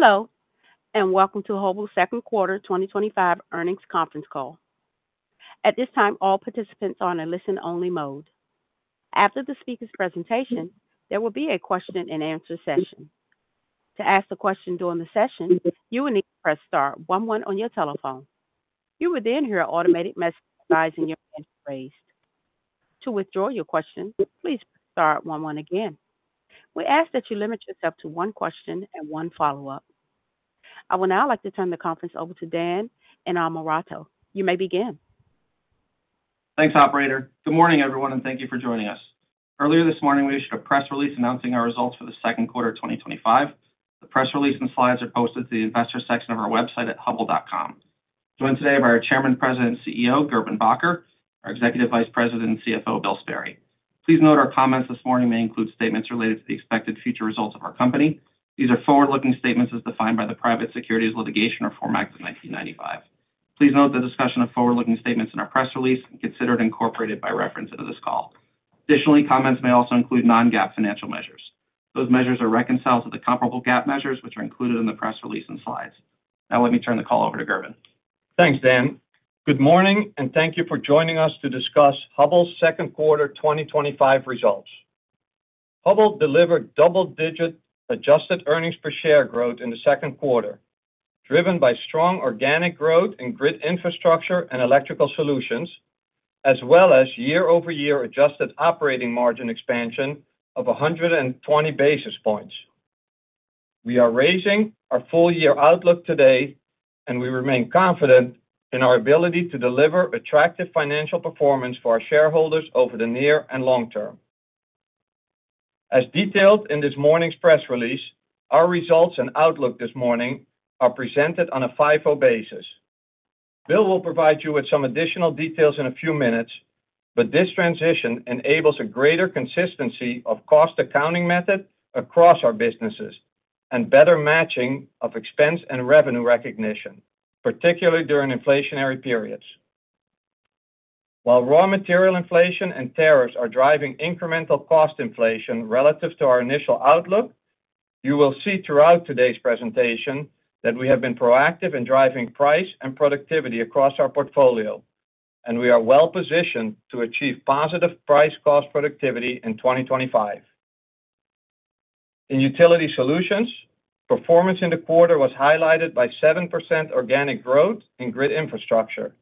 Hello, and welcome to Hubbell's second quarter 2025 earnings conference call. At this time, all participants are in a listen-only mode. After the speaker's presentation, there will be a question-and-answer session. To ask a question during the session, you will need to press star 1 1 on your telephone. You will then hear an automated message advising your answer phrase. To withdraw your question, please press star 1 1 again. We ask that you limit yourself to one question and one follow-up. I will now like to turn the conference over to Dan Innamorato. You may begin. Thanks, Operator. Good morning, everyone, and thank you for joining us. Earlier this morning, we issued a press release announcing our results for the second quarter of 2025. The press release and slides are posted to the investor section of our website at hubbell.com. Joined today by our Chairman, President, and CEO, Gerben Bakker, our Executive Vice President, and CFO, Bill Sperry. Please note our comments this morning may include statements related to the expected future results of our company. These are forward-looking statements as defined by the Private Securities Litigation Reform Act of 1995. Please note the discussion of forward-looking statements in our press release and consider it incorporated by reference into this call. Additionally, comments may also include non-GAAP financial measures. Those measures are reconciled to the comparable GAAP measures, which are included in the press release and slides. Now, let me turn the call over to Gerben. Thanks, Dan. Good morning, and thank you for joining us to discuss Hubbell's second quarter 2025 results. Hubbell delivered double-digit adjusted earnings per share growth in the second quarter, driven by strong organic growth in grid infrastructure and electrical solutions, as well as year-over-year adjusted operating margin expansion of 120 basis points. We are raising our full-year outlook today, and we remain confident in our ability to deliver attractive financial performance for our shareholders over the near and long term. As detailed in this morning's press release, our results and outlook this morning are presented on a FIFO basis. Bill will provide you with some additional details in a few minutes, but this transition enables a greater consistency of cost accounting method across our businesses and better matching of expense and revenue recognition, particularly during inflationary periods. While raw material inflation and tariffs are driving incremental cost inflation relative to our initial outlook, you will see throughout today's presentation that we have been proactive in driving price and productivity across our portfolio, and we are well-positioned to achieve positive price-cost productivity in 2025. In utility solutions, performance in the quarter was highlighted by 7% organic growth in grid infrastructure.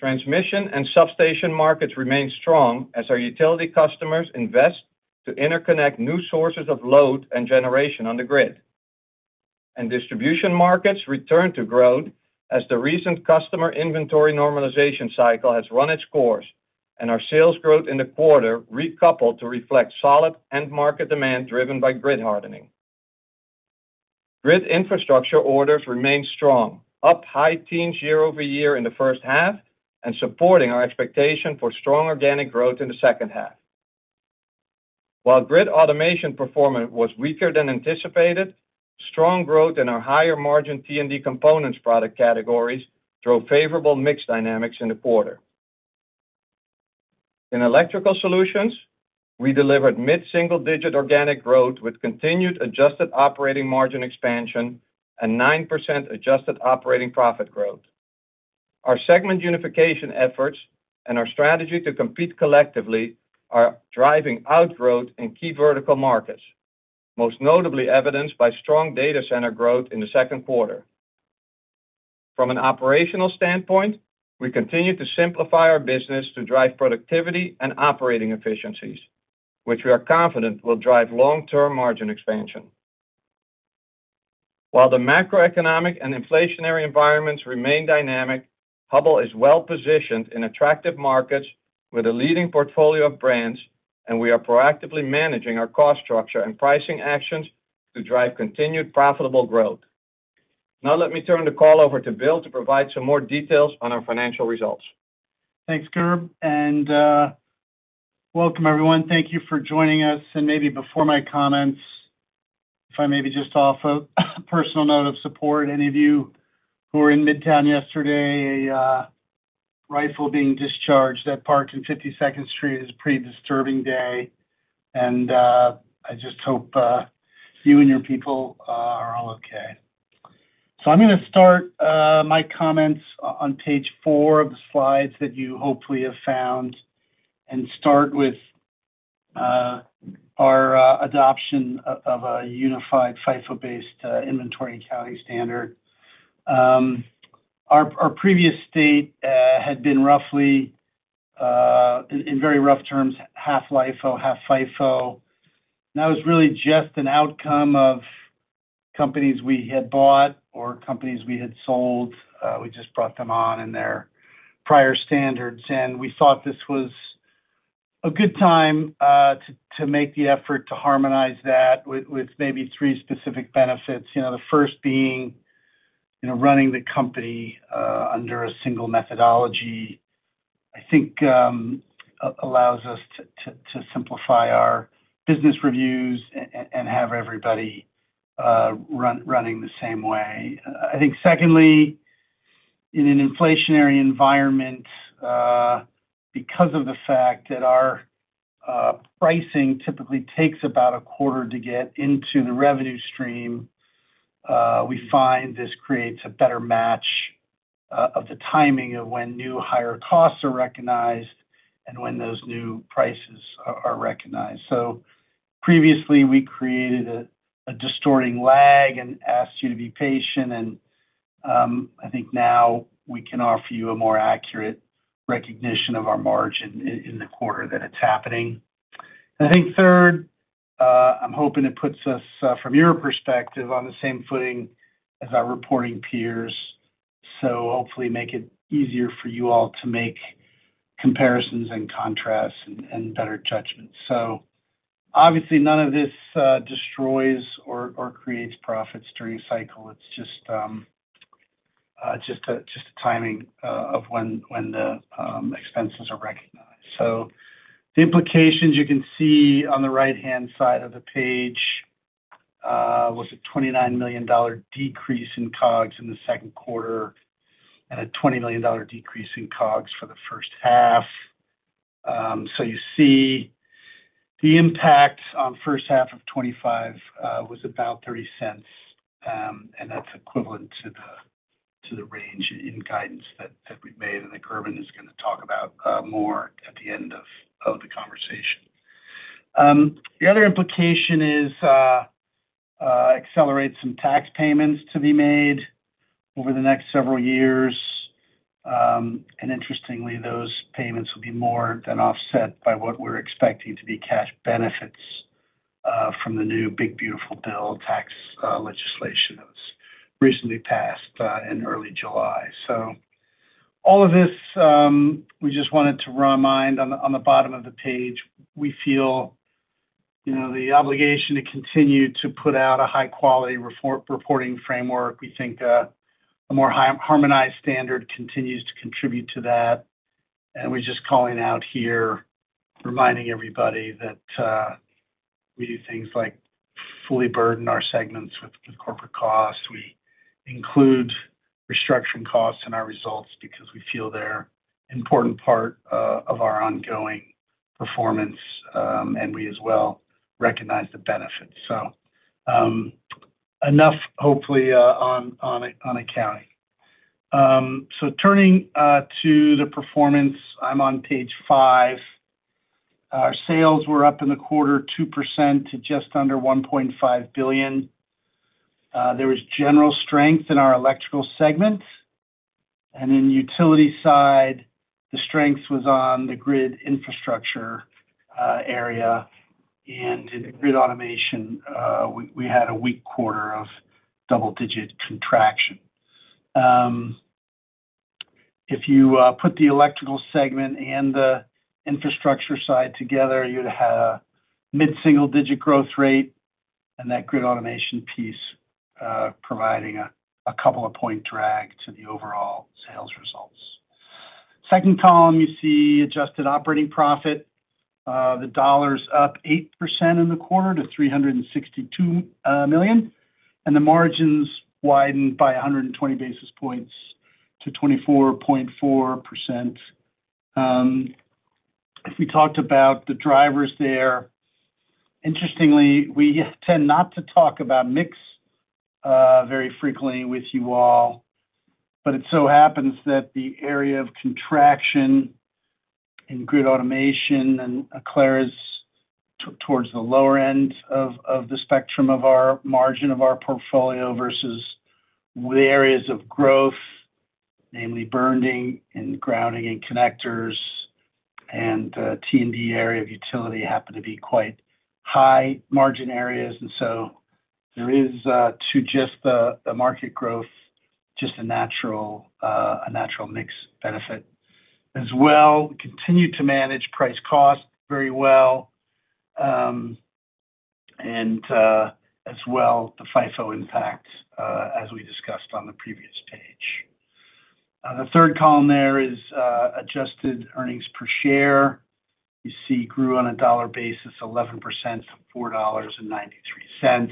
Transmission and substation markets remained strong as our utility customers invest to interconnect new sources of load and generation on the grid. Distribution markets returned to growth as the recent customer inventory normalization cycle has run its course, and our sales growth in the quarter recoupled to reflect solid end-market demand driven by grid hardening. Grid infrastructure orders remained strong, up high teens year-over-year in the first half and supporting our expectation for strong organic growth in the second half. While grid automation performance was weaker than anticipated, strong growth in our higher-margin T&D components product categories drove favorable mix dynamics in the quarter. In electrical solutions, we delivered mid-single-digit organic growth with continued adjusted operating margin expansion and 9% adjusted operating profit growth. Our segment unification efforts and our strategy to compete collectively are driving outgrowth in key vertical markets, most notably evidenced by strong data center growth in the second quarter. From an operational standpoint, we continue to simplify our business to drive productivity and operating efficiencies, which we are confident will drive long-term margin expansion. While the macroeconomic and inflationary environments remain dynamic, Hubbell is well-positioned in attractive markets with a leading portfolio of brands, and we are proactively managing our cost structure and pricing actions to drive continued profitable growth. Now, let me turn the call over to Bill to provide some more details on our financial results. Thanks, Gerb. Welcome, everyone. Thank you for joining us. Maybe before my comments, if I may be just off a personal note of support, any of you who were in Midtown yesterday, a rifle being discharged at Park and 52nd Street is a pretty disturbing day. I just hope you and your people are all okay. I'm going to start my comments on page four of the slides that you hopefully have found. I'll start with our adoption of a unified FIFO-based inventory accounting standard. Our previous state had been, in very rough terms, half LIFO, half FIFO. That was really just an outcome of companies we had bought or companies we had sold. We just brought them on in their prior standards. We thought this was a good time to make the effort to harmonize that with maybe three specific benefits. The first being, running the company under a single methodology, I think, allows us to simplify our business reviews and have everybody running the same way. I think, secondly, in an inflationary environment, because of the fact that our pricing typically takes about a quarter to get into the revenue stream, we find this creates a better match of the timing of when new higher costs are recognized and when those new prices are recognized. Previously, we created a distorting lag and asked you to be patient. I think now we can offer you a more accurate recognition of our margin in the quarter that it's happening. I think, third, I'm hoping it puts us, from your perspective, on the same footing as our reporting peers. Hopefully, it makes it easier for you all to make comparisons and contrasts and better judgments. Obviously, none of this destroys or creates profits during a cycle. It's just a timing of when the expenses are recognized. The implications you can see on the right-hand side of the page was a $29 million decrease in COGS in the second quarter and a $20 million decrease in COGS for the first half. You see the impact on the first half of 2025 was about $0.30. That's equivalent to the range in guidance that we've made, and that Gerben is going to talk about more at the end of the conversation. The other implication is to accelerate some tax payments to be made over the next several years. Interestingly, those payments will be more than offset by what we're expecting to be cash benefits from the new Big Beautiful Bill tax legislation that was recently passed in early July. All of this, we just wanted to remind on the bottom of the page, we feel the obligation to continue to put out a high-quality reporting framework. We think a more harmonized standard continues to contribute to that. We are just calling out here, reminding everybody that we do things like fully burden our segments with corporate costs. We include restructuring costs in our results because we feel they are an important part of our ongoing performance, and we as well recognize the benefits. Enough, hopefully, on accounting. Turning to the performance, I am on page five. Our sales were up in the quarter 2% to just under $1.5 billion. There was general strength in our electrical segment. In the utility side, the strength was on the grid infrastructure area. In the grid automation, we had a weak quarter of double-digit contraction. If you put the electrical segment and the infrastructure side together, you would have a mid-single-digit growth rate, and that grid automation piece providing a couple of point drag to the overall sales results. Second column, you see adjusted operating profit. The dollars up 8% in the quarter to $362 million, and the margins widened by 120 basis points to 24.4%. If we talked about the drivers there, interestingly, we tend not to talk about mix very frequently with you all. It so happens that the area of contraction in grid automation and Aclara is towards the lower end of the spectrum of our margin of our portfolio versus the areas of growth, namely burning and grounding and connectors, and T&D area of utility happen to be quite high margin areas. There is, to just the market growth, just a natural mix benefit. As well, we continue to manage price cost very well, and as well the FIFO impact, as we discussed on the previous page. The third column there is adjusted earnings per share. You see grew on a dollar basis 11% from $4.93,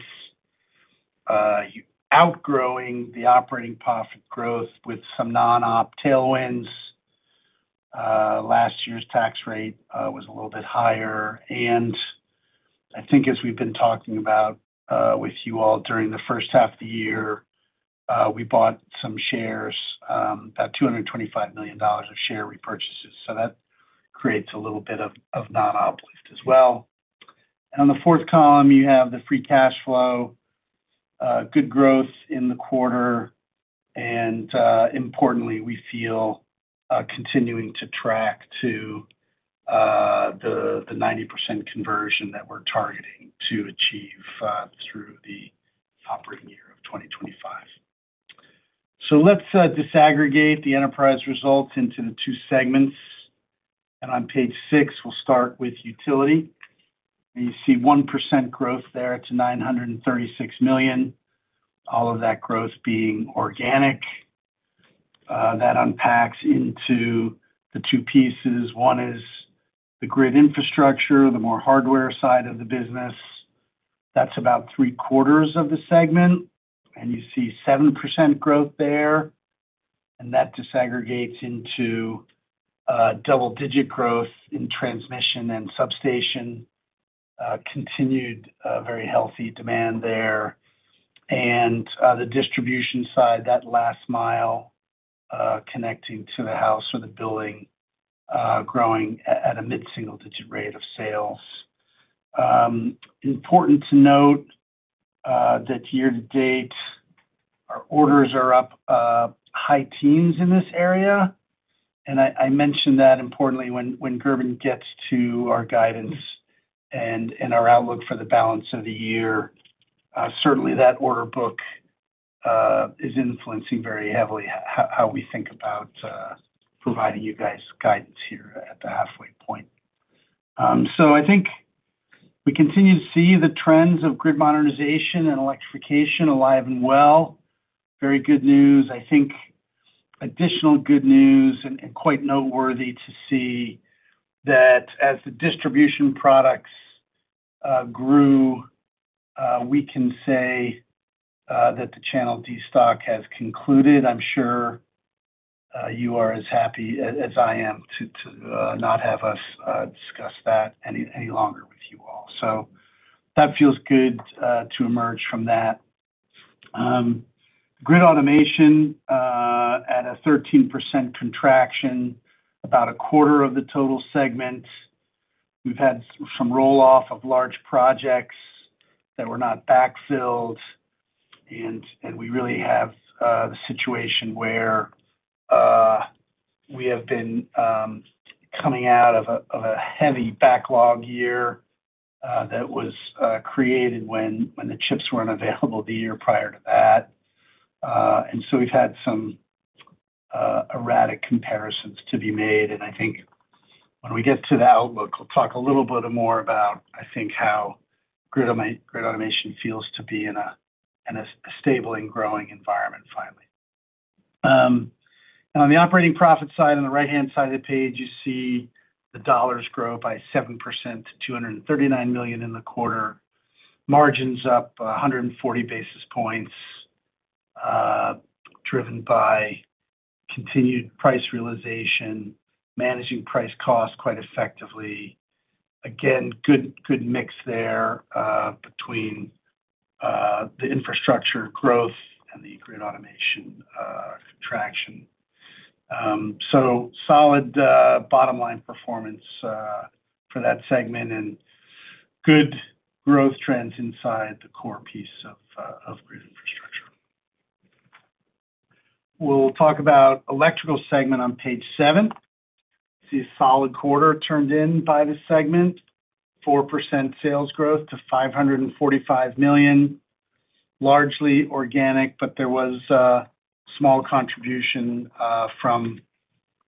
outgrowing the operating profit growth with some non-op tailwinds. Last year's tax rate was a little bit higher. I think, as we have been talking about with you all during the first half of the year, we bought some shares, about $225 million of share repurchases. That creates a little bit of non-op lift as well. On the fourth column, you have the free cash flow. Good growth in the quarter. Importantly, we feel continuing to track to the 90% conversion that we are targeting to achieve through the operating year of 2025. Let's disaggregate the enterprise results into the two segments. On page six, we'll start with utility. You see 1% growth there to $936 million, all of that growth being organic. That unpacks into the two pieces. One is the grid infrastructure, the more hardware side of the business. That's about three-quarters of the segment. You see 7% growth there. That disaggregates into double-digit growth in transmission and substation. Continued very healthy demand there. The distribution side, that last mile connecting to the house or the building, growing at a mid-single-digit rate of sales. Important to note that year-to-date our orders are up high teens in this area. I mentioned that importantly when Gerben gets to our guidance and our outlook for the balance of the year. Certainly, that order book is influencing very heavily how we think about providing you guys guidance here at the halfway point. I think we continue to see the trends of grid modernization and electrification alive and well. Very good news. I think additional good news and quite noteworthy to see that as the distribution products grew, we can say that the channel destock has concluded. I'm sure you are as happy as I am to not have us discuss that any longer with you all. That feels good to emerge from that. Grid automation at a 13% contraction, about a quarter of the total segment. We've had some rolloff of large projects that were not backfilled. We really have a situation where we have been coming out of a heavy backlog year that was created when the chips weren't available the year prior to that. We've had some erratic comparisons to be made. I think when we get to the outlook, we'll talk a little bit more about, I think, how grid automation feels to be in a stable and growing environment finally. On the operating profit side, on the right-hand side of the page, you see the dollars grow by 7% to $239 million in the quarter. Margins up 140 basis points. Driven by continued price realization, managing price-cost quite effectively. Again, good mix there between the infrastructure growth and the grid automation contraction. Solid bottom line performance for that segment and good growth trends inside the core piece of grid infrastructure. We'll talk about electrical segment on page seven. You see a solid quarter turned in by the segment. 4% sales growth to $545 million. Largely organic, but there was. A small contribution from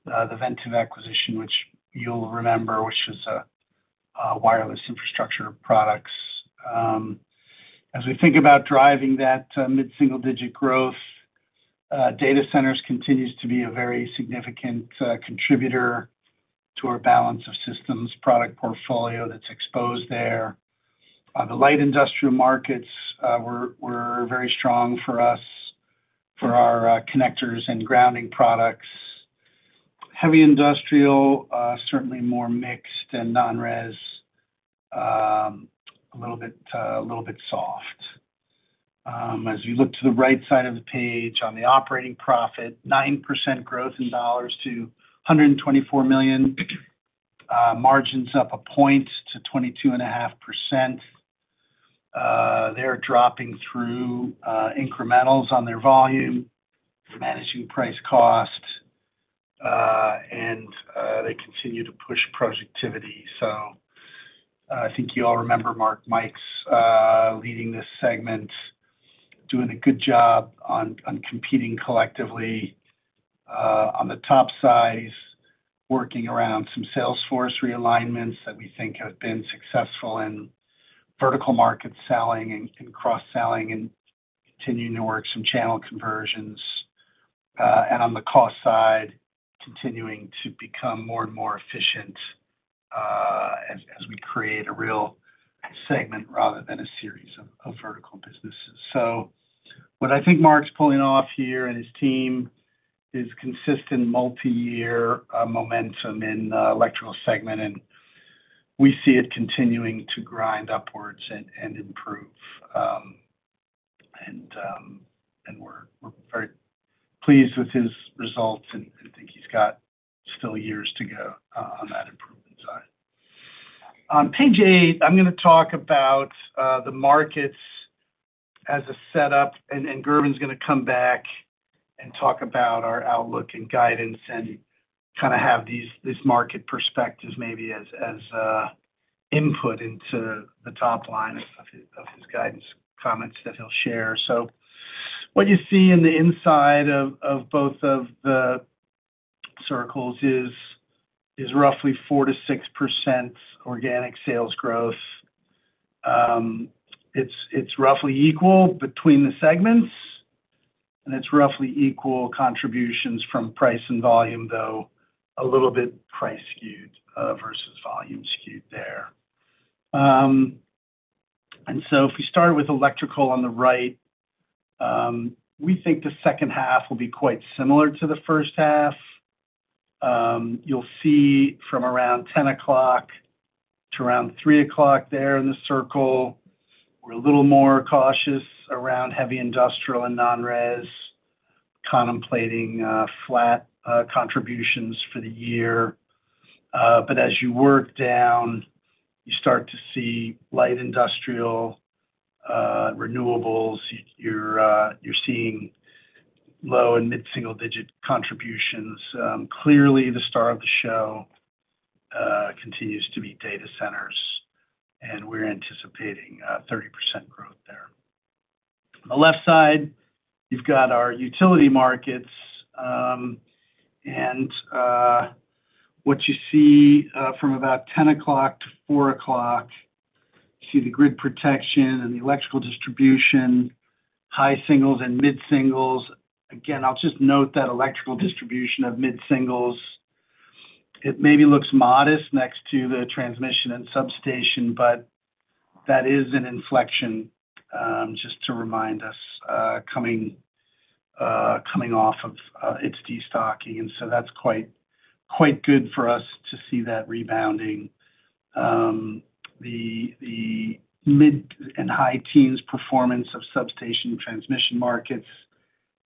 the Ventev acquisition, which you'll remember, which was wireless infrastructure products. As we think about driving that mid-single-digit growth, data centers continues to be a very significant contributor to our balance of systems product portfolio that's exposed there. The light industrial markets were very strong for us for our connectors and grounding products. Heavy industrial, certainly more mixed and non-res, a little bit soft. As we look to the right side of the page on the operating profit, 9% growth in dollars to $124 million. Margins up a point to 22.5%. They're dropping through incrementals on their volume, managing price cost, and they continue to push productivity. I think you all remember Mark Mikes leading this segment, doing a good job on competing collectively on the top side, working around some Salesforce realignments that we think have been successful in vertical market selling and cross-selling and continuing to work some channel conversions. On the cost side, continuing to become more and more efficient as we create a real segment rather than a series of vertical businesses. What I think Mark's pulling off here and his team is consistent multi-year momentum in the electrical segment, and we see it continuing to grind upwards and improve. We're very pleased with his results, and I think he's got still years to go on that improvement side. On page eight, I'm going to talk about the markets as a setup, and Gerben's going to come back and talk about our outlook and guidance and kind of have these market perspectives maybe as input into the top line of his guidance comments that he'll share. What you see in the inside of both of the circles is roughly 4%-6% organic sales growth. It's roughly equal between the segments, and it's roughly equal contributions from price and volume, though a little bit price skewed versus volume skewed there. If we start with electrical on the right, we think the second half will be quite similar to the first half. You'll see from around 10 o'clock to around 3 o'clock there in the circle, we're a little more cautious around heavy industrial and non-res, contemplating flat contributions for the year. As you work down, you start to see light industrial, renewables, you're seeing low and mid-single-digit contributions. Clearly, the star of the show continues to be data centers, and we're anticipating 30% growth there. On the left side, you've got our utility markets. What you see from about 10:00 to 4:00, you see the grid protection and the electrical distribution. High singles and mid-singles. I'll just note that electrical distribution of mid-singles, it maybe looks modest next to the transmission and substation, but that is an inflection. Just to remind us coming off of its destocking, and so that's quite good for us to see that rebounding. The mid and high teens performance of substation transmission markets,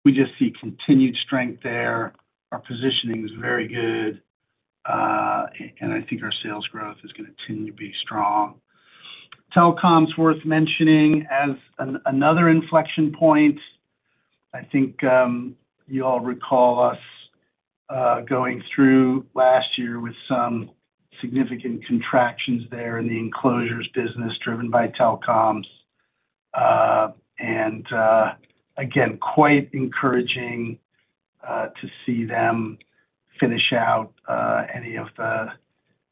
we just see continued strength there. Our positioning is very good. I think our sales growth is going to continue to be strong. Telecoms worth mentioning as another inflection point. I think you all recall us going through last year with some significant contractions there in the enclosures business driven by telecoms. Again, quite encouraging to see them finish out any of the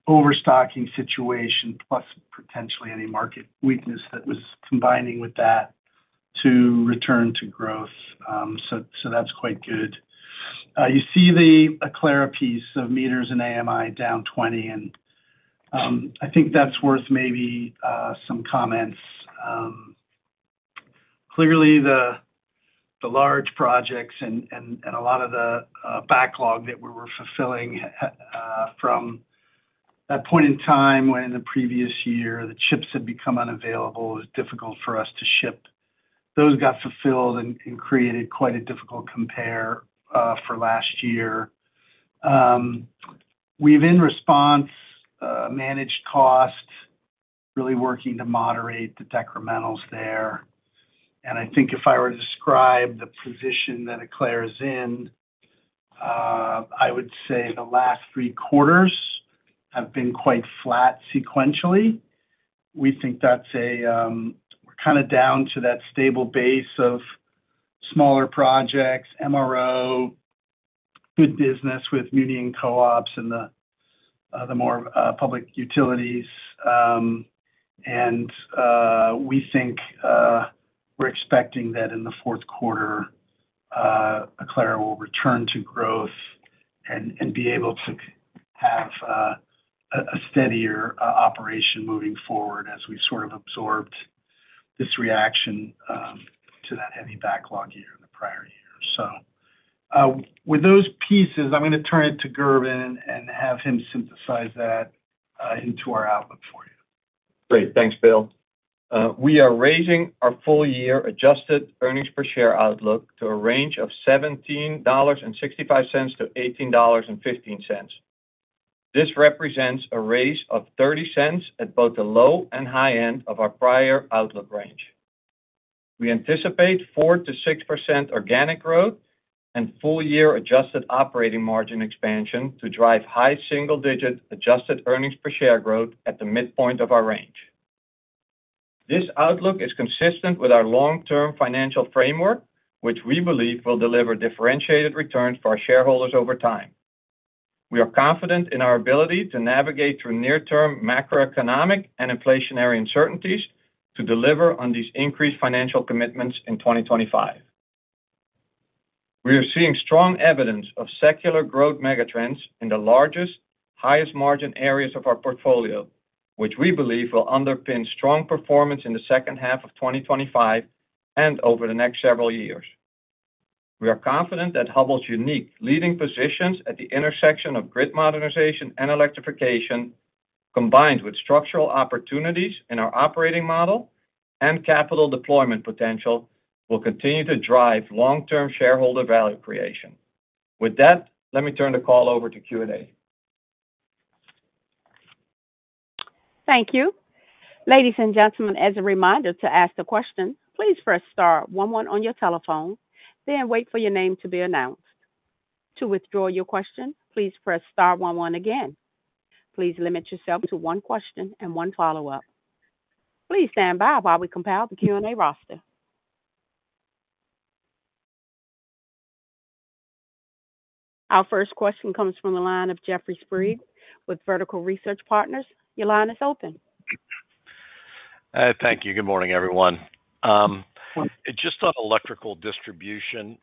overstocking situation, plus potentially any market weakness that was combining with that, to return to growth. That's quite good. You see the Aclara piece of meters and AMI down 20. I think that's worth maybe some comments. Clearly, the large projects and a lot of the backlog that we were fulfilling from that point in time when in the previous year, the chips had become unavailable, it was difficult for us to ship. Those got fulfilled and created quite a difficult compare for last year. We've in response managed cost, really working to moderate the decrementals there. I think if I were to describe the position that Aclara is in, I would say the last three quarters have been quite flat sequentially. We think that's, we're kind of down to that stable base of smaller projects, MRO, good business with union co-ops and the more public utilities. We think we're expecting that in the fourth quarter, Aclara will return to growth and be able to have a steadier operation moving forward as we've sort of absorbed this reaction to that heavy backlog year in the prior year. With those pieces, I'm going to turn it to Gerben and have him synthesize that into our outlook for you. Great. Thanks, Bill. We are raising our full-year adjusted earnings per share outlook to a range of $17.65-$18.15. This represents a raise of $0.30 at both the low and high end of our prior outlook range. We anticipate 4-6% organic growth and full-year adjusted operating margin expansion to drive high single-digit adjusted earnings per share growth at the midpoint of our range. This outlook is consistent with our long-term financial framework, which we believe will deliver differentiated returns for our shareholders over time. We are confident in our ability to navigate through near-term macroeconomic and inflationary uncertainties to deliver on these increased financial commitments in 2025. We are seeing strong evidence of secular growth megatrends in the largest, highest margin areas of our portfolio, which we believe will underpin strong performance in the second half of 2025 and over the next several years. We are confident that Hubbell's unique leading positions at the intersection of grid modernization and electrification, combined with structural opportunities in our operating model and capital deployment potential, will continue to drive long-term shareholder value creation. With that, let me turn the call over to Q&A. Thank you. Ladies and gentlemen, as a reminder to ask the question, please press star 11 on your telephone, then wait for your name to be announced. To withdraw your question, please press star 11 again. Please limit yourself to one question and one follow-up. Please stand by while we compile the Q&A roster. Our first question comes from the line of Jeffrey Sprague with Vertical Research Partners. Your line is open. Thank you. Good morning, everyone. Just on electrical distribution.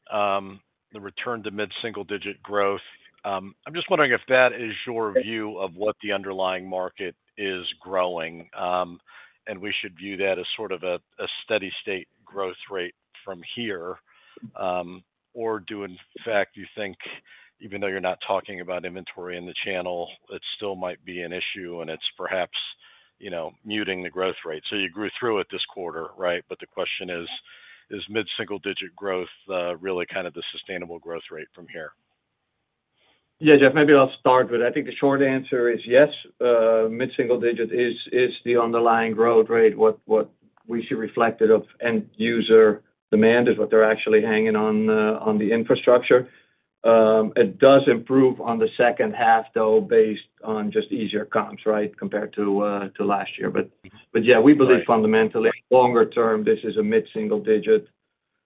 The return to mid-single-digit growth. I'm just wondering if that is your view of what the underlying market is growing. And we should view that as sort of a steady-state growth rate from here. Or do, in fact, you think, even though you're not talking about inventory in the channel, it still might be an issue and it's perhaps muting the growth rate? You grew through it this quarter, right? The question is, is mid-single-digit growth really kind of the sustainable growth rate from here? Yeah, Jeff, maybe I'll start with, I think the short answer is yes. Mid-single-digit is the underlying growth rate. What we see reflected of end-user demand is what they're actually hanging on the infrastructure. It does improve on the second half, though, based on just easier comps, right, compared to last year. Yeah, we believe fundamentally, longer term, this is a mid-single-digit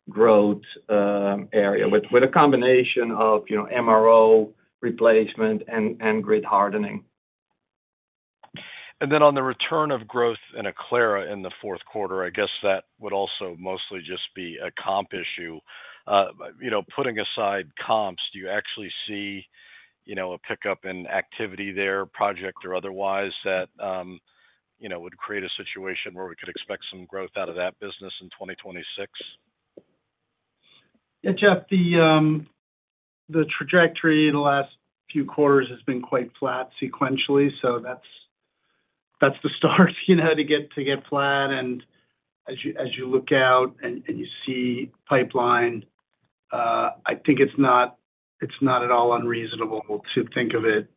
growth area with a combination of MRO replacement and grid hardening. And then on the return of growth in Aclara in the fourth quarter, I guess that would also mostly just be a comp issue. Putting aside comps, do you actually see a pickup in activity there, project or otherwise, that would create a situation where we could expect some growth out of that business in 2026? Yeah, Jeff, the trajectory in the last few quarters has been quite flat sequentially. That is the start to get flat. As you look out and you see pipeline, I think it is not at all unreasonable to think of it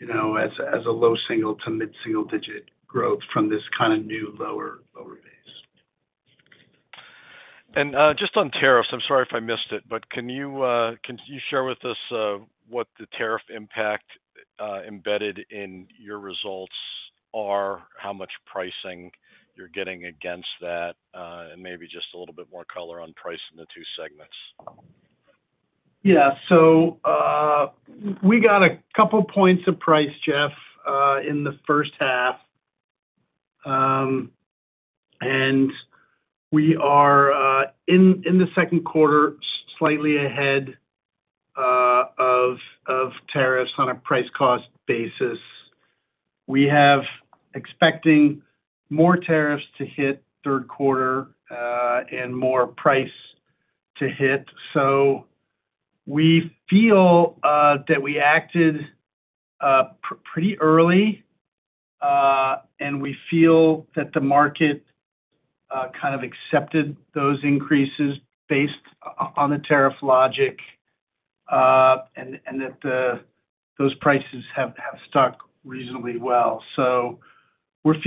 as a low single- to mid-single-digit growth from this kind of new lower base. Just on tariffs, I am sorry if I missed it, but can you share with us what the tariff impact embedded in your results are, how much pricing you are getting against that, and maybe just a little bit more color on price in the two segments? Yeah. We got a couple of points of price, Jeff, in the first half. We are in the second quarter slightly ahead of tariffs on a price-cost basis. We are expecting more tariffs to hit third quarter and more price to hit. We feel that we acted pretty early and we feel that the market kind of accepted those increases based on the tariff logic. Those prices have stuck reasonably well. We are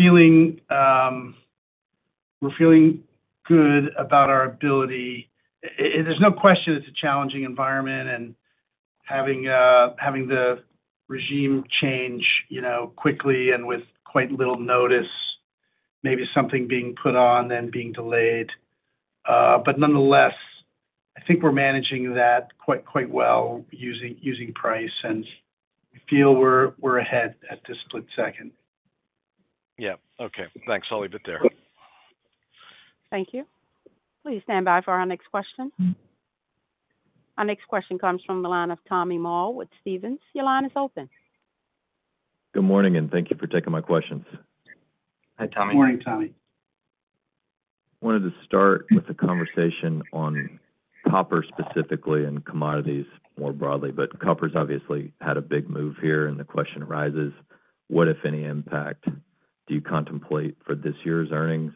feeling good about our ability. There is no question it is a challenging environment and having the regime change quickly and with quite little notice, maybe something being put on and being delayed. Nonetheless, I think we are managing that quite well using price. We feel we are ahead at this split second. Yeah. Okay. Thanks. I will leave it there. Thank you. Please stand by for our next question. Our next question comes from the line of Tommy Moll with Stephens. Your line is open. Good morning, and thank you for taking my questions. Hi, Tommy. Good morning, Tommy. Wanted to start with a conversation on copper specifically and commodities more broadly, but copper has obviously had a big move here. The question arises, what, if any, impact do you contemplate for this year's earnings?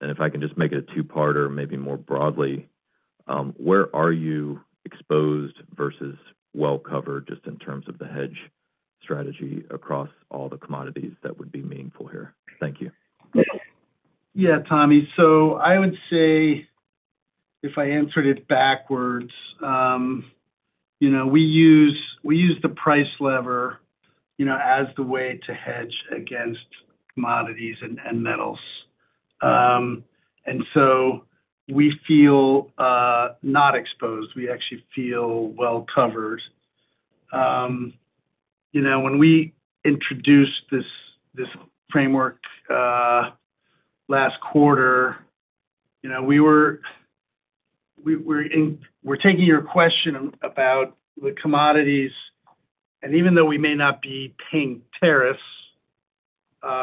If I can just make it a two-parter, maybe more broadly, where are you exposed versus well covered just in terms of the hedge strategy across all the commodities that would be meaningful here? Thank you. Yeah, Tommy. I would say if I answered it backwards, we use the price lever as the way to hedge against commodities and metals. We feel not exposed. We actually feel well covered. When we introduced this framework last quarter, we were taking your question about the commodities. Even though we may not be paying tariffs,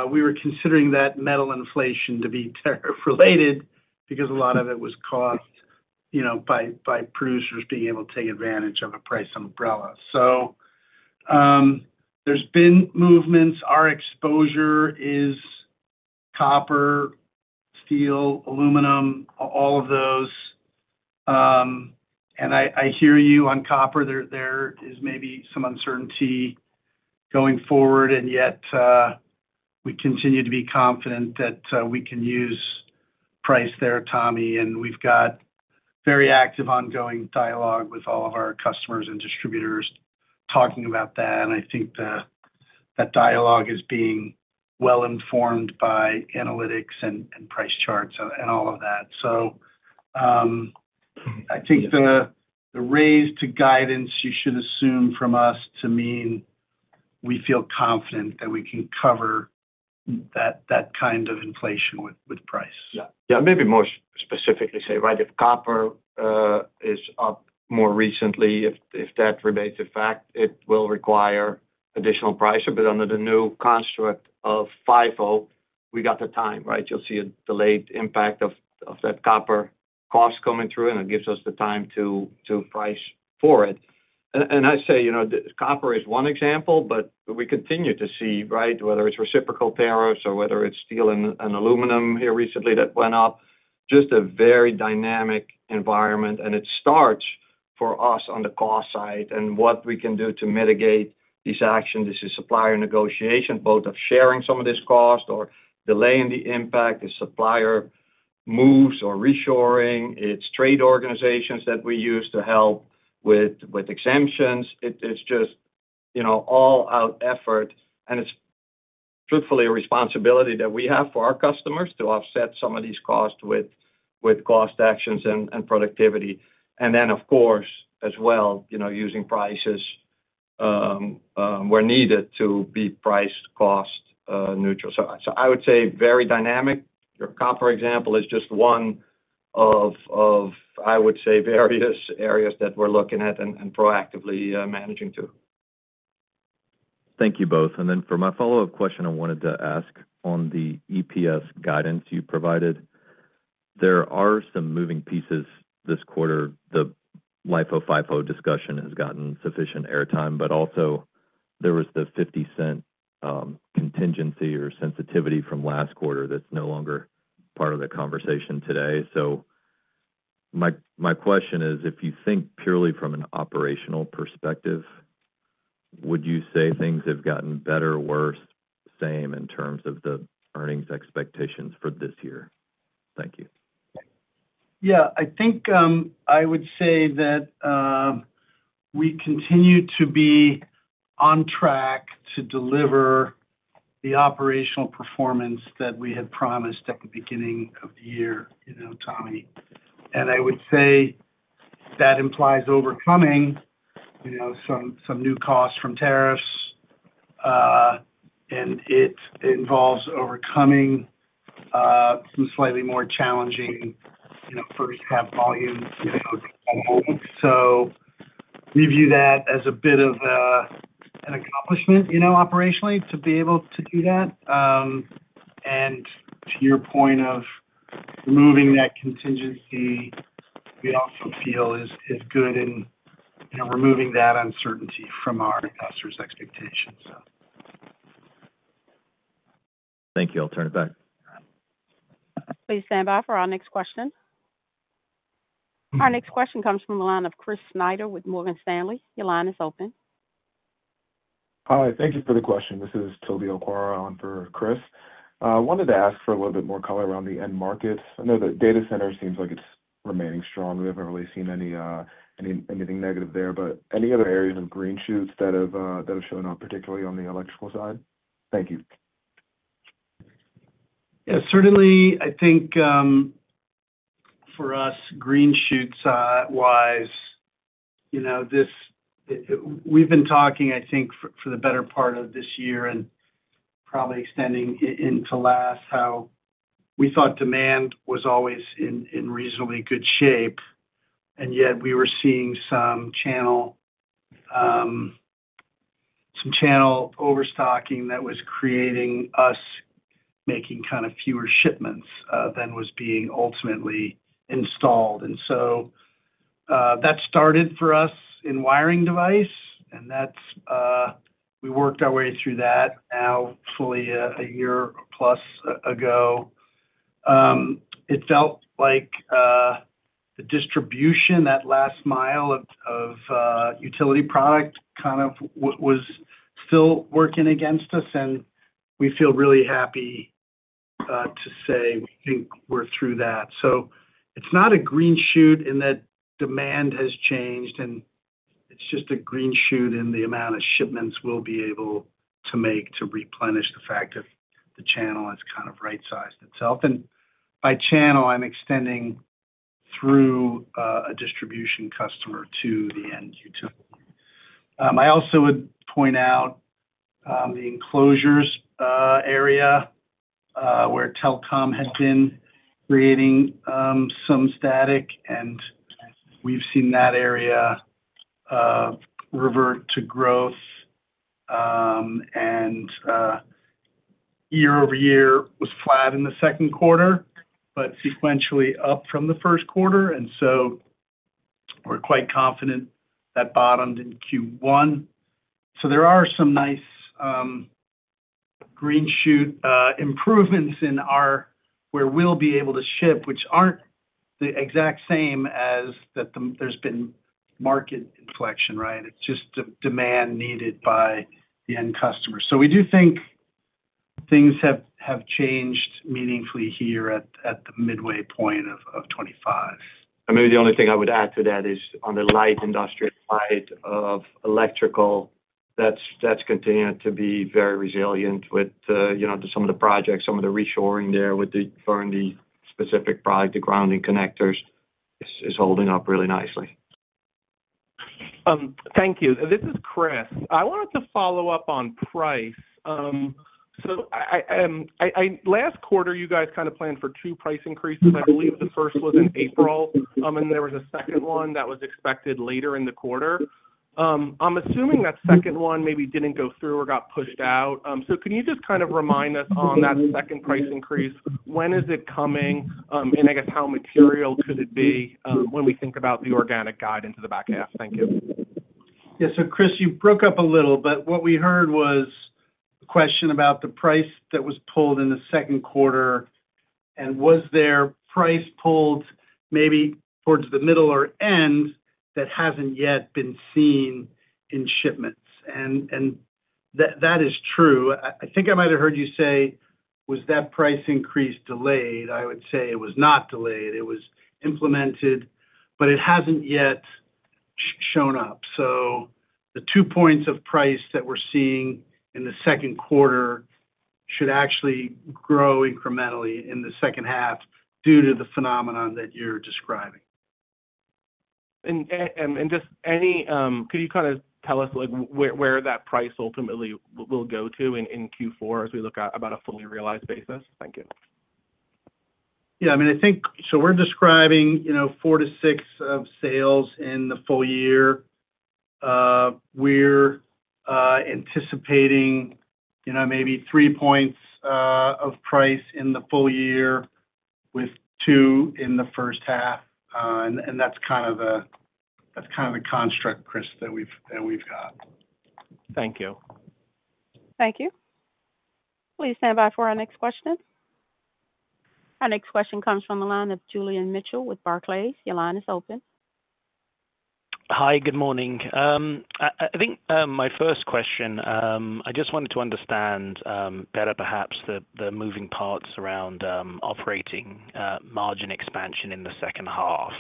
we were considering that metal inflation to be tariff-related because a lot of it was caused by producers being able to take advantage of a price umbrella. There have been movements. Our exposure is copper, steel, aluminum, all of those. I hear you on copper. There is maybe some uncertainty going forward, and yet we continue to be confident that we can use price there, Tommy. We have very active ongoing dialogue with all of our customers and distributors talking about that. I think that dialogue is being well informed by analytics and price charts and all of that. I think the raise to guidance you should assume from us to mean we feel confident that we can cover that kind of inflation with price. Maybe more specifically, if copper is up more recently, if that remains a fact, it will require additional pricing. Under the new construct of FIFO, we have the time, right? You will see a delayed impact of that copper cost coming through, and it gives us the time to price for it. Copper is one example, but we continue to see, whether it is reciprocal tariffs or whether it is steel and aluminum here recently that went up, just a very dynamic environment. It starts for us on the cost side and what we can do to mitigate these actions. This is supplier negotiation, both sharing some of this cost or delaying the impact. It is supplier moves or reshoring. It is trade organizations that we use to help with exemptions. It is just all-out effort. It is truthfully a responsibility that we have for our customers to offset some of these costs with cost actions and productivity. Of course, as well, using prices where needed to be price-cost neutral. I would say very dynamic. Your copper, for example, is just one of various areas that we are looking at and proactively managing to. Thank you both. For my follow-up question, I wanted to ask on the EPS guidance you provided. There are some moving pieces this quarter. The LIFO FIFO discussion has gotten sufficient airtime. Also, there was the $0.50 contingency or sensitivity from last quarter that is no longer part of the conversation today. My question is, if you think purely from an operational perspective. Would you say things have gotten better, worse, same in terms of the earnings expectations for this year? Thank you. Yeah. I think I would say that. We continue to be on track to deliver the operational performance that we had promised at the beginning of the year, Tommy. I would say that implies overcoming some new costs from tariffs, and it involves overcoming some slightly more challenging first-half volume. We view that as a bit of an accomplishment operationally to be able to do that. To your point of removing that contingency, we also feel is good in removing that uncertainty from our investors' expectations. Thank you. I'll turn it back. Please stand by for our next question. Our next question comes from the line of Chris Snyder with Morgan Stanley. Your line is open. Hi. Thank you for the question. This is Toby Okwara on for Chris. Wanted to ask for a little bit more color around the end markets. I know that data center seems like it's remaining strong. We haven't really seen anything negative there. Any other areas of green shoots that have shown up, particularly on the electrical side? Thank you. Yeah. Certainly, I think for us, green shoots-wise, we've been talking, I think, for the better part of this year and probably extending into last, how we thought demand was always in reasonably good shape. Yet we were seeing some channel overstocking that was creating us making kind of fewer shipments than was being ultimately installed. That started for us in wiring device, and we worked our way through that now fully a year plus ago. It felt like the distribution, that last mile of utility product, kind of was still working against us. We feel really happy to say we think we're through that. It is not a green shoot in that demand has changed. It is just a green shoot in the amount of shipments we'll be able to make to replenish the fact that the channel has kind of right-sized itself. By channel, I'm extending through a distribution customer to the end utility. I also would point out the enclosures area, where telecom had been creating some static, and we've seen that area revert to growth. Year over year was flat in the second quarter, but sequentially up from the first quarter. We are quite confident that bottomed in Q1. There are some nice green shoot improvements in. Where we'll be able to ship, which aren't the exact same as that there's been market inflection, right? It's just demand needed by the end customer. We do think things have changed meaningfully here at the midway point of 2025. Maybe the only thing I would add to that is on the light industrial side of electrical, that's continued to be very resilient with some of the projects, some of the reshoring there with the Fernley specific product, the grounding connectors, is holding up really nicely. Thank you. This is Chris. I wanted to follow up on price. Last quarter, you guys kind of planned for two price increases. I believe the first was in April, and there was a second one that was expected later in the quarter. I'm assuming that second one maybe didn't go through or got pushed out. Can you just kind of remind us on that second price increase? When is it coming? And I guess how material could it be when we think about the organic guide into the back half? Thank you. Yeah. Chris, you broke up a little. What we heard was a question about the price that was pulled in the second quarter and was there price pulled maybe towards the middle or end that hasn't yet been seen in shipments. That is true. I think I might have heard you say, "Was that price increase delayed?" I would say it was not delayed. It was implemented, but it hasn't yet shown up. The two points of price that we're seeing in the second quarter should actually grow incrementally in the second half due to the phenomenon that you're describing. Could you kind of tell us where that price ultimately will go to in Q4 as we look at about a fully realized basis? Thank you. Yeah. I mean, I think we're describing 4%-6% of sales in the full year. We're anticipating maybe 3 points of price in the full year, with 2 in the first half. That's kind of the construct, Chris, that we've got. Thank you. Thank you. Please stand by for our next question. Our next question comes from the line of Julian Mitchell with Barclays. Your line is open. Hi. Good morning. I think my first question, I just wanted to understand better, perhaps, the moving parts around operating margin expansion in the second half.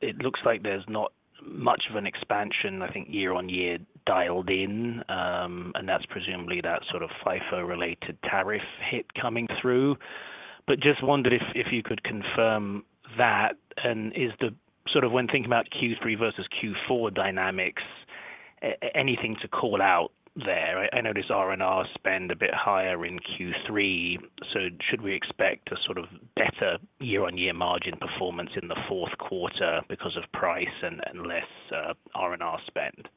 It looks like there's not much of an expansion, I think, year on year dialed in, and that's presumably that sort of FIFO-related tariff hit coming through. I just wondered if you could confirm that. Is the sort of when thinking about Q3 versus Q4 dynamics, anything to call out there? I noticed R&R spend a bit higher in Q3. Should we expect a sort of better year-on-year margin performance in the fourth quarter because of price and less R&R spend?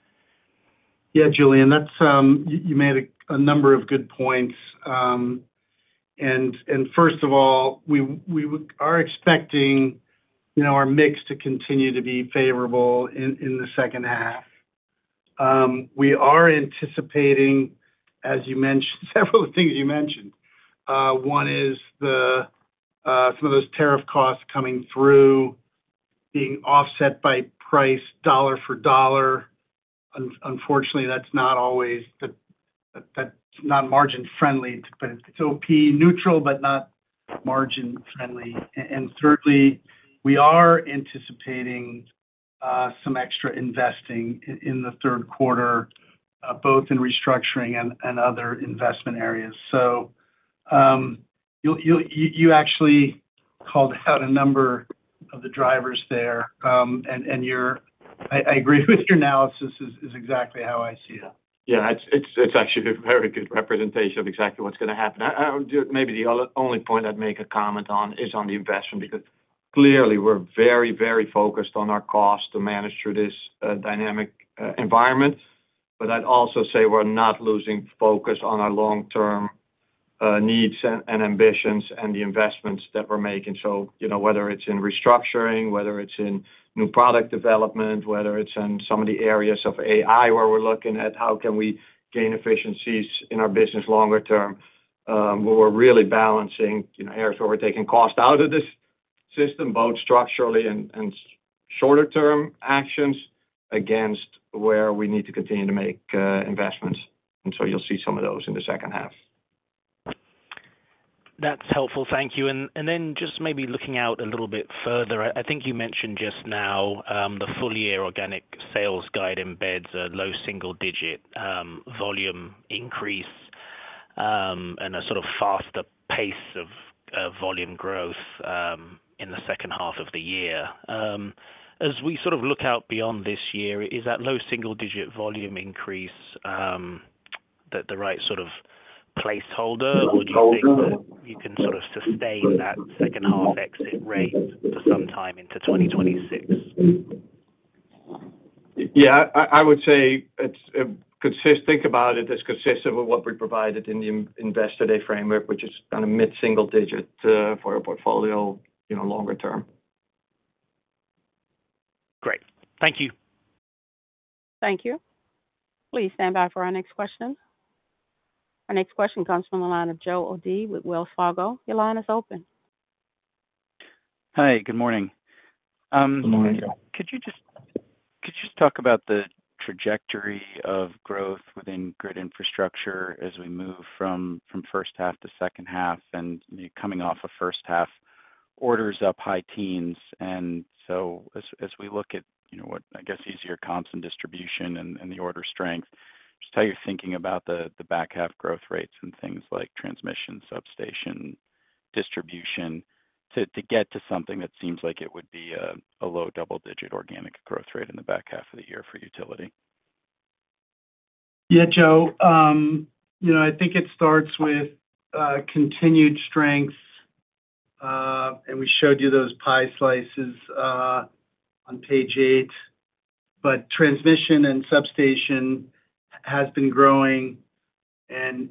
Yeah, Julian, you made a number of good points. First of all, we are expecting our mix to continue to be favorable in the second half. We are anticipating, as you mentioned, several things you mentioned. One is some of those tariff costs coming through, being offset by price dollar for dollar. Unfortunately, that is not always margin-friendly. It is OP neutral, but not margin-friendly. Thirdly, we are anticipating some extra investing in the third quarter, both in restructuring and other investment areas. You actually called out a number of the drivers there. I agree with your analysis, it is exactly how I see it. Yeah, it is actually a very good representation of exactly what is going to happen. Maybe the only point I would make a comment on is on the investment, because clearly we are very, very focused on our cost to manage through this dynamic environment. I would also say we are not losing focus on our long-term needs and ambitions and the investments that we are making. Whether it is in restructuring, whether it is in new product development, whether it is in some of the areas of AI where we are looking at how can we gain efficiencies in our business longer term, we are really balancing areas where we are taking cost out of this system, both structurally and shorter-term actions, against where we need to continue to make investments. You will see some of those in the second half. That is helpful. Thank you. Maybe looking out a little bit further, I think you mentioned just now the full-year organic sales guide embeds a low single-digit volume increase and a sort of faster pace of volume growth in the second half of the year. As we sort of look out beyond this year, is that low single-digit volume increase the right sort of placeholder, or do you think you can sort of sustain that second-half exit rate for some time into 2026? Yeah. I would say think about it as consistent with what we provided in the investor-day framework, which is kind of mid-single-digit for a portfolio longer term. Great. Thank you. Thank you. Please stand by for our next question. Our next question comes from the line of Joe O'Dea with Wells Fargo. Your line is open. Hi. Good morning. Good morning. Could you just talk about the trajectory of growth within grid infrastructure as we move from first half to second half and coming off of first half orders up high teens? As we look at what, I guess, easier comps and distribution and the order strength, just how you're thinking about the back half growth rates and things like transmission, substation, distribution to get to something that seems like it would be a low double-digit organic growth rate in the back half of the year for utility? Yeah, Joe. I think it starts with continued strength. We showed you those pie slices on page eight. Transmission and substation has been growing, and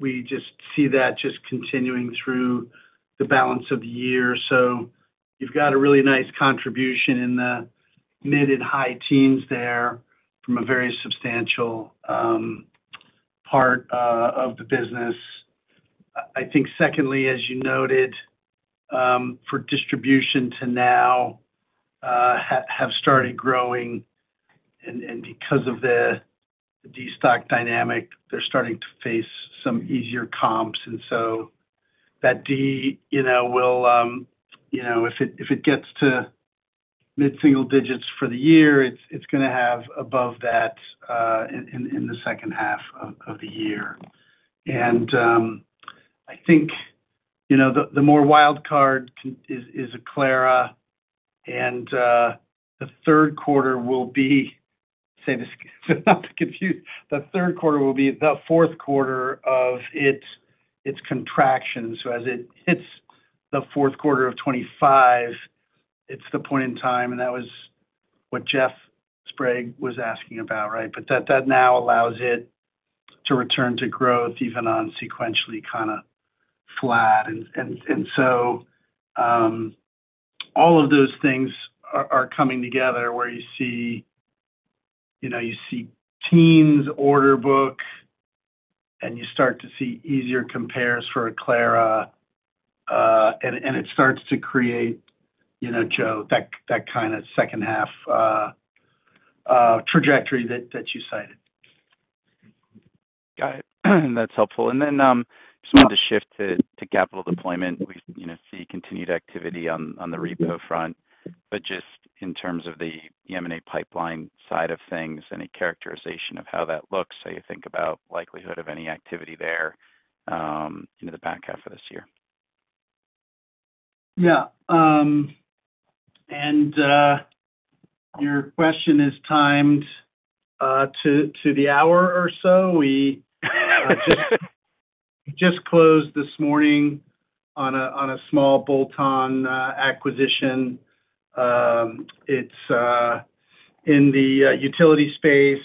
we just see that just continuing through the balance of the year. You have a really nice contribution in the mid and high teens there from a very substantial part of the business. I think secondly, as you noted, for distribution to now have started growing, and because of the de-stock dynamic, they're starting to face some easier comps. That de-stock will, if it gets to mid-single digits for the year, it's going to have above that in the second half of the year. I think the more wild card is Aclara. The third quarter will be, say this is not to confuse, the third quarter will be the fourth quarter of its contraction. As it hits the fourth quarter of 2025, it's the point in time, and that was what Jeff Sprague was asking about, right? That now allows it to return to growth even on sequentially kind of flat. All of those things are coming together where you see teens order book, and you start to see easier compares for Aclara, and it starts to create, Joe, that kind of second-half trajectory that you cited. Got it. That's helpful. I just wanted to shift to capital deployment. We see continued activity on the repo front. Just in terms of the M&A pipeline side of things, any characterization of how that looks? Do you think about likelihood of any activity there in the back half of this year? Yeah. Your question is timed to the hour or so. We just closed this morning on a small bolt-on acquisition. It's in the utility space.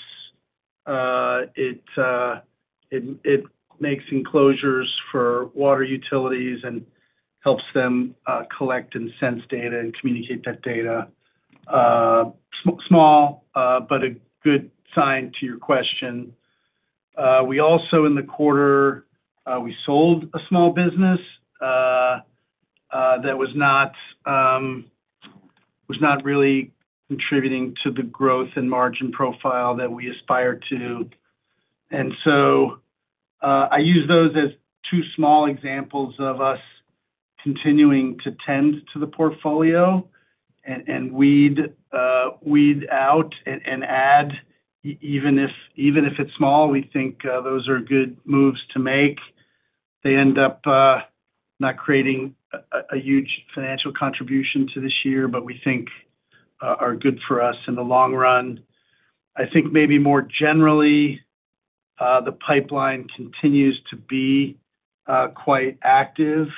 It makes enclosures for water utilities and helps them collect and sense data and communicate that data. Small, but a good sign to your question. We also, in the quarter, sold a small business that was not really contributing to the growth and margin profile that we aspired to. I use those as two small examples of us continuing to tend to the portfolio and weed out and add. Even if it's small, we think those are good moves to make. They end up not creating a huge financial contribution to this year, but we think are good for us in the long run. I think maybe more generally, the pipeline continues to be quite active.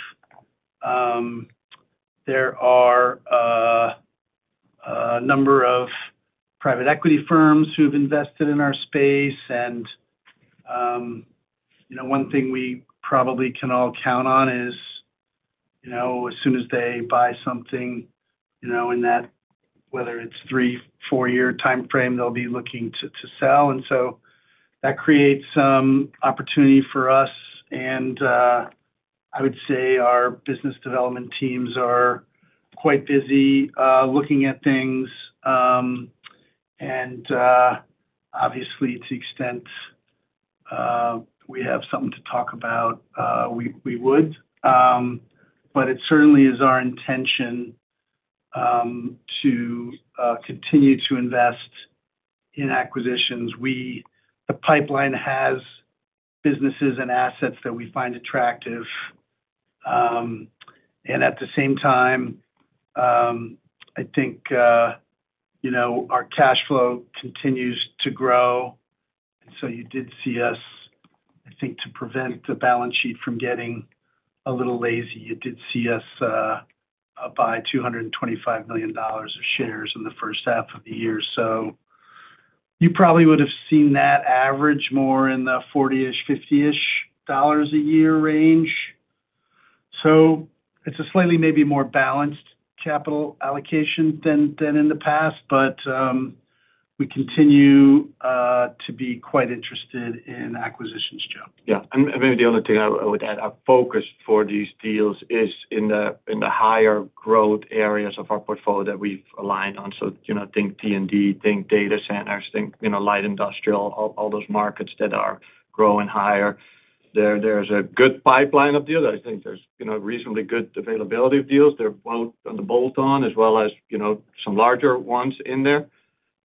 There are a number of private equity firms who have invested in our space. One thing we probably can all count on is as soon as they buy something, in that, whether it's three, four-year timeframe, they'll be looking to sell. That creates some opportunity for us. I would say our business development teams are quite busy looking at things. Obviously, to the extent we have something to talk about, we would. It certainly is our intention to continue to invest in acquisitions. The pipeline has businesses and assets that we find attractive. At the same time, I think our cash flow continues to grow. You did see us, I think, to prevent the balance sheet from getting a little lazy, you did see us buy $225 million of shares in the first half of the year. You probably would have seen that average more in the 40-ish, 50-ish dollars a year range. It's a slightly maybe more balanced capital allocation than in the past. We continue to be quite interested in acquisitions, Joe. Maybe the only thing I would add, our focus for these deals is in the higher growth areas of our portfolio that we've aligned on. Think T&D, think data centers, think light industrial, all those markets that are growing higher. There's a good pipeline of deals. I think there's reasonably good availability of deals. They're both on the bolt-on as well as some larger ones in there.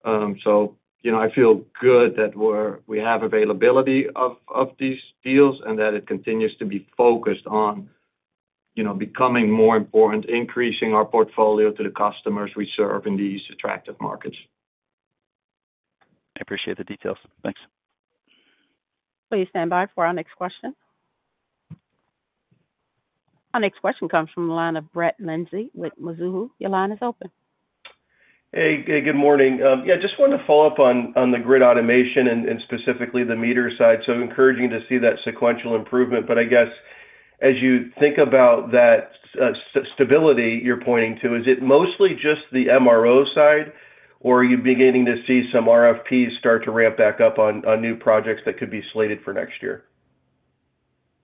I feel good that we have availability of these deals and that it continues to be focused on becoming more important, increasing our portfolio to the customers we serve in these attractive markets. I appreciate the details. Thanks. Please stand by for our next question. Our next question comes from the line of Brett Linzey with Mizuho. Your line is open. Hey. Good morning. Just wanted to follow up on the grid automation and specifically the meter side. Encouraging to see that sequential improvement. I guess as you think about that. Stability you're pointing to, is it mostly just the MRO side, or are you beginning to see some RFPs start to ramp back up on new projects that could be slated for next year?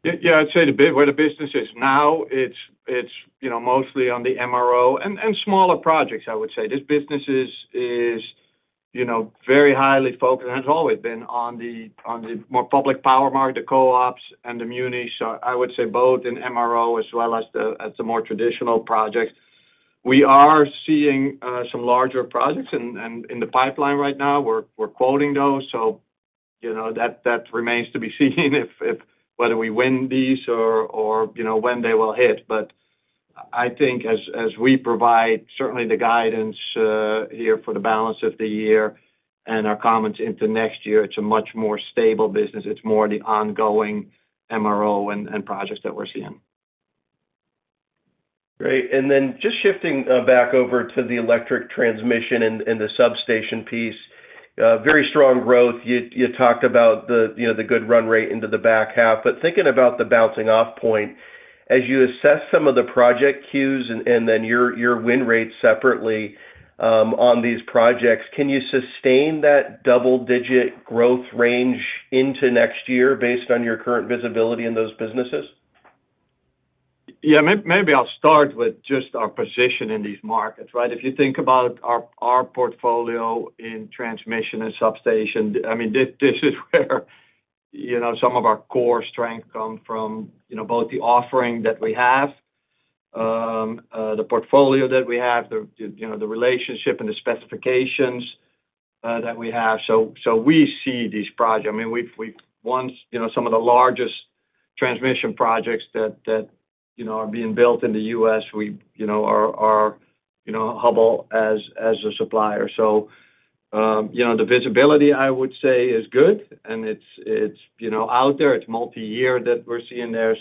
Yeah. I'd say the way the business is now, it's mostly on the MRO and smaller projects, I would say. This business is very highly focused, and it's always been on the more public power market, the co-ops and the munis. I would say both in MRO as well as the more traditional projects. We are seeing some larger projects in the pipeline right now. We're quoting those. That remains to be seen whether we win these or when they will hit. I think as we provide certainly the guidance here for the balance of the year and our comments into next year, it's a much more stable business. It's more the ongoing MRO and projects that we're seeing. Great. And then just shifting back over to the electric transmission and the substation piece, very strong growth. You talked about the good run rate into the back half. Thinking about the bouncing-off point, as you assess some of the project queues and then your win rates separately on these projects, can you sustain that double-digit growth range into next year based on your current visibility in those businesses? Yeah. Maybe I'll start with just our position in these markets, right? If you think about our portfolio in transmission and substation, I mean, this is where some of our core strength comes from both the offering that we have, the portfolio that we have, the relationship, and the specifications that we have. We see these projects. I mean, once some of the largest transmission projects that are being built in the U.S., we are Hubbell as a supplier. The visibility, I would say, is good. It's out there. It's multi-year that we're seeing there.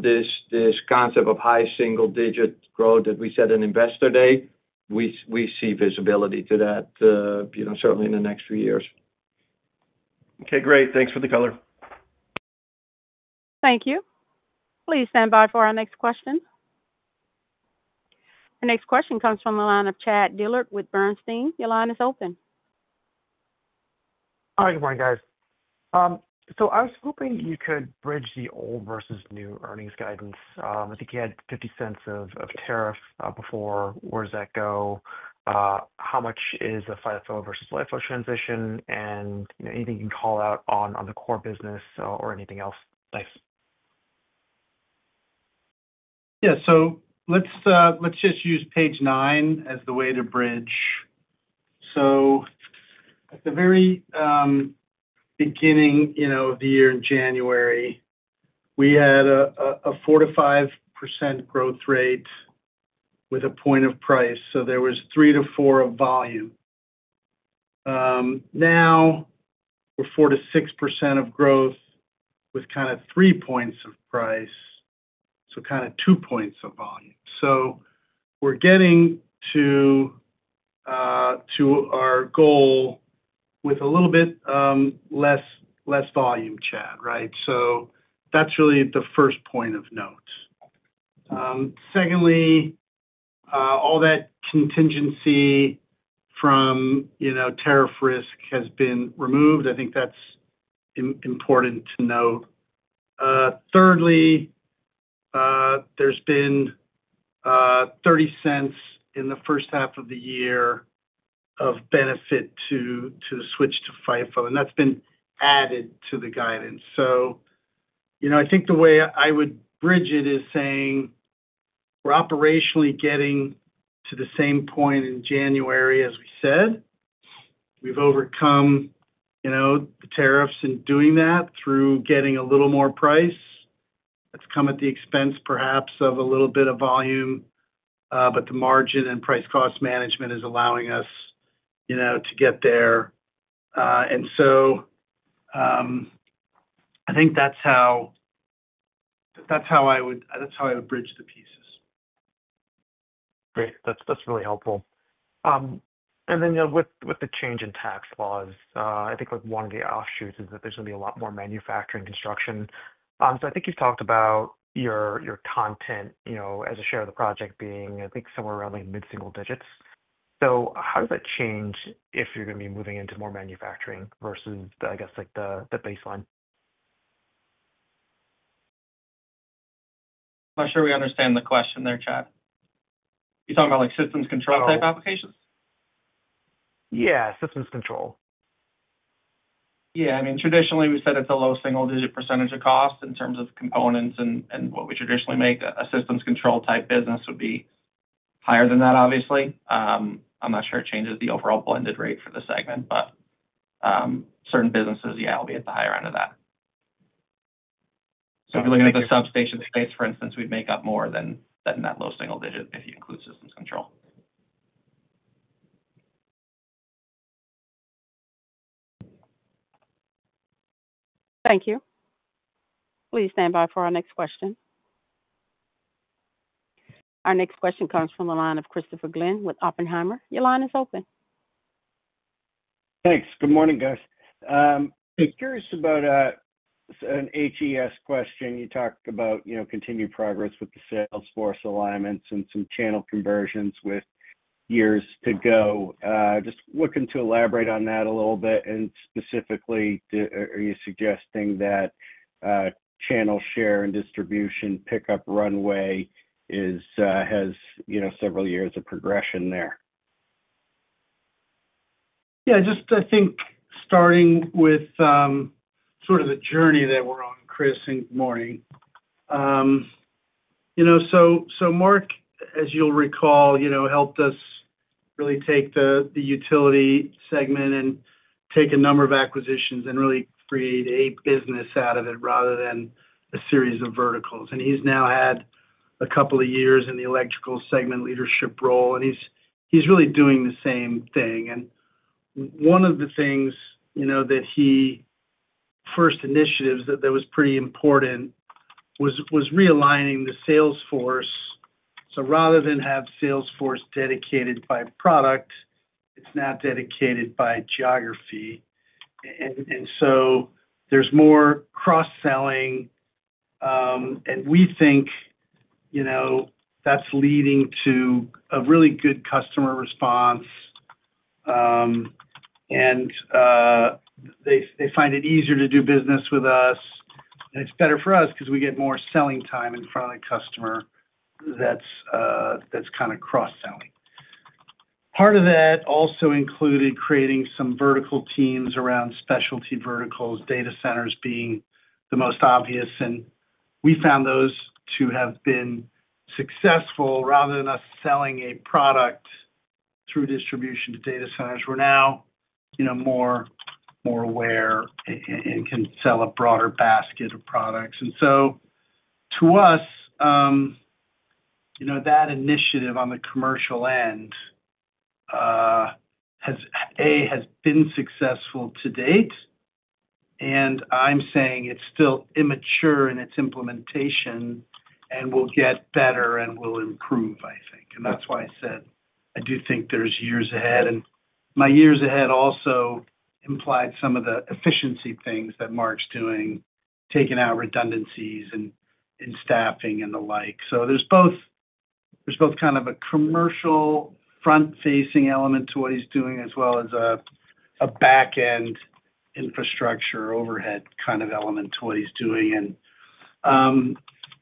This concept of high single-digit growth that we said in investor day, we see visibility to that certainly in the next few years. Okay. Great. Thanks for the color. Thank you. Please stand by for our next question. Our next question comes from the line of Chad Dillard with Bernstein. Your line is open. All right. Good morning, guys. I was hoping you could bridge the old versus new earnings guidance. I think you had $0.50 of tariff before. Where does that go? How much is a FIFO versus LIFO transition? Anything you can call out on the core business or anything else? Thanks. Yeah. Let's just use page nine as the way to bridge. At the very beginning of the year in January, we had a 4%-5% growth rate with a point of price. So there was 3-4 of volume. Now. We're 4%-6% of growth with kind of 3 points of price, so kind of 2 points of volume. So we're getting to. Our goal with a little bit less volume, Chad, right? So that's really the first point of note. Secondly. All that contingency from. Tariff risk has been removed. I think that's. Important to note. Thirdly. There's been. 30 cents in the first half of the year. Of benefit to the switch to FIFO. And that's been added to the guidance. So. I think the way I would bridge it is saying. We're operationally getting to the same point in January as we said. We've overcome. The tariffs in doing that through getting a little more price. That's come at the expense perhaps of a little bit of volume. But the margin and price-cost management is allowing us. To get there. And so. I think that's how I would bridge the pieces. Great. That's really helpful. And then with the change in tax laws, I think one of the offshoots is that there's going to be a lot more manufacturing construction. So I think you've talked about your content as a share of the project being, I think, somewhere around mid-single digits. So how does that change if you're going to be moving into more manufacturing versus, I guess, the baseline? I'm not sure we understand the question there, Chad. You're talking about systems control type applications? Yeah. Systems control. Yeah. I mean, traditionally, we said it's a low single-digit percentage of cost in terms of components. And what we traditionally make, a systems control type business would be higher than that, obviously. I'm not sure it changes the overall blended rate for the segment, but certain businesses, yeah, it'll be at the higher end of that. So if you're looking at the substation space, for instance, we'd make up more than that low single digit if you include systems control. Thank you. Please stand by for our next question. Our next question comes from the line of Christopher Glynn with Oppenheimer. Your line is open. Thanks. Good morning, guys. I'm curious about. An HES question. You talked about continued progress with the Salesforce alignments and some channel conversions with. Years to go. Just looking to elaborate on that a little bit. And specifically, are you suggesting that channel share and distribution pickup runway has several years of progression there? Yeah. Just I think starting with sort of the journey that we're on, Chris, and good morning. Mark, as you'll recall, helped us really take the utility segment and take a number of acquisitions and really create a business out of it rather than a series of verticals. He's now had a couple of years in the electrical segment leadership role. He's really doing the same thing. One of the first initiatives that was pretty important was realigning the Salesforce. Rather than have Salesforce dedicated by product, it's now dedicated by geography. There's more cross-selling. We think that's leading to a really good customer response. They find it easier to do business with us. It's better for us because we get more selling time in front of the customer that's kind of cross-selling. Part of that also included creating some vertical teams around specialty verticals, data centers being the most obvious. We found those to have been successful. Rather than us selling a product through distribution to data centers, we're now more aware and can sell a broader basket of products. To us, that initiative on the commercial end, A, has been successful to date. I'm saying it's still immature in its implementation and will get better and will improve, I think. That's why I said I do think there's years ahead. My years ahead also implied some of the efficiency things that Mark's doing, taking out redundancies in staffing and the like. There's both kind of a commercial front-facing element to what he's doing as well as a back-end infrastructure overhead kind of element to what he's doing.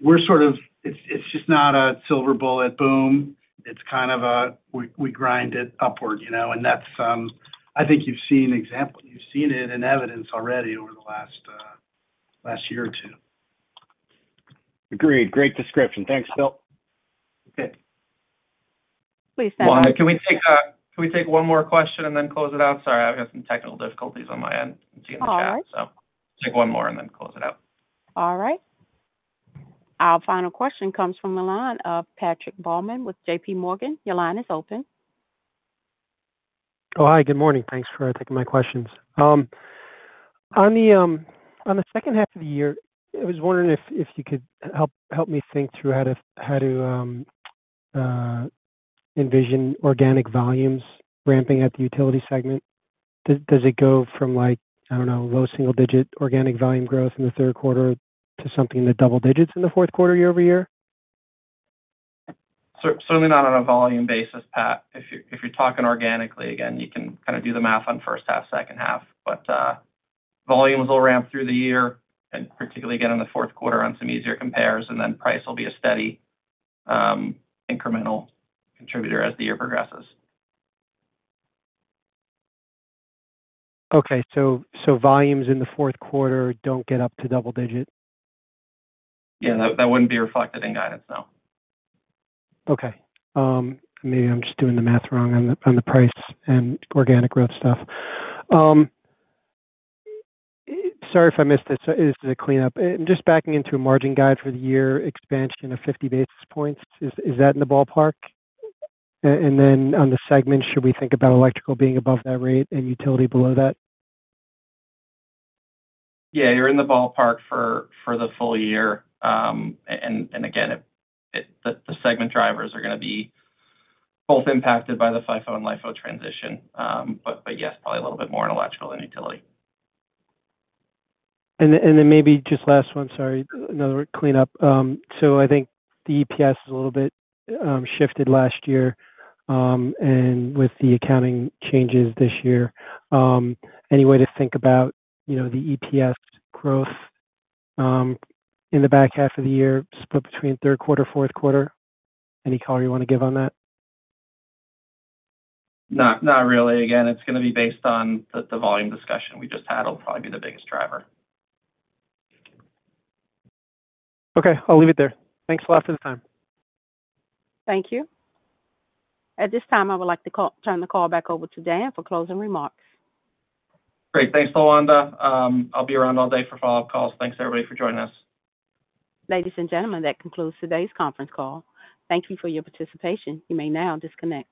We're sort of, it's just not a silver bullet, boom. It's kind of a, we grind it upward. I think you've seen examples. You've seen it in evidence already over the last year or two. Agreed. Great description. Thanks, Bill. Okay. Please stand by. Can we take one more question and then close it out? Sorry. I have some technical difficulties on my end. I'm seeing the chat, so. All right. Take one more and then close it out. All right. Our final question comes from the line of Patrick Baumann with J.P. Morgan. Your line is open. Oh, hi. Good morning. Thanks for taking my questions. On the second half of the year, I was wondering if you could help me think through how to envision organic volumes ramping at the utility segment. Does it go from, I don't know, low single-digit organic volume growth in the third quarter to something in the double digits in the fourth quarter year over year? Certainly not on a volume basis, Pat. If you're talking organically, again, you can kind of do the math on first half, second half. Volumes will ramp through the year, and particularly again in the fourth quarter on some easier compares. Price will be a steady incremental contributor as the year progresses. Okay. So volumes in the fourth quarter don't get up to double digit? Yeah. That wouldn't be reflected in guidance, no. Okay. Maybe I'm just doing the math wrong on the price and organic growth stuff. Sorry if I missed this. This is a cleanup. I'm just backing into a margin guide for the year expansion of 50 basis points. Is that in the ballpark? And then on the segment, should we think about electrical being above that rate and utility below that? Yeah. You're in the ballpark for the full year. Again, the segment drivers are going to be both impacted by the FIFO and LIFO transition. But yes, probably a little bit more in electrical than utility. Maybe just last one, sorry, another cleanup. So I think the EPS is a little bit shifted last year. And with the accounting changes this year. Any way to think about the EPS growth in the back half of the year split between third quarter, fourth quarter? Any color you want to give on that? Not really. Again, it's going to be based on the volume discussion we just had. It'll probably be the biggest driver. Okay. I'll leave it there. Thanks a lot for the time. Thank you. At this time, I would like to turn the call back over to Dan for closing remarks. Great. Thanks, Lawanda. I'll be around all day for follow-up calls. Thanks, everybody, for joining us. Ladies and gentlemen, that concludes today's conference call. Thank you for your participation. You may now disconnect.